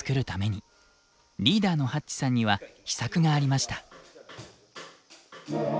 リーダーのＨａｔｃｈさんには秘策がありました。